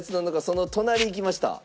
その隣いきました。